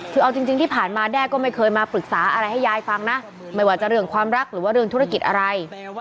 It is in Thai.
คือเอาจริงที่ผ่านมาแด้ก็ไม่เคยมาปรึกษาอะไรให้ยายฟังนะไม่ว่าจะเรื่องความรักหรือว่าเรื่องธุรกิจอะไร